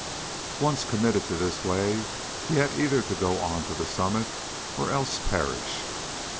Once committed to this way, he had either to go on to the summit, or else perish.